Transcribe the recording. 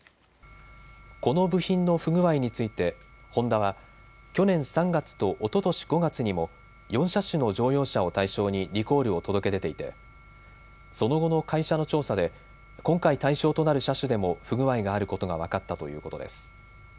この部品の不具合についてホンダは去年３月とおととし５月にも４車種の乗用車を対象にリコールを届け出ていてその後の会社の調査で今回対象となる車種でも不具合があることが分かったということです。